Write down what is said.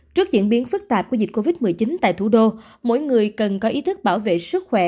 trước diễn biến phức tạp của dịch covid một mươi chín tại thủ đô mỗi người cần có ý thức bảo vệ sức khỏe